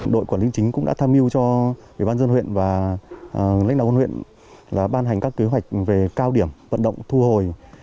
đội quản lý chính cũng đã tham mưu cho ủy ban dân huyện và lãnh đạo con huyện là ban hành các kế hoạch về cao điểm vận động thu hồi